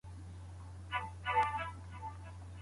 ولي د لري واټن زده کړه د حضوري زده کړو په نسبت اسانه ده؟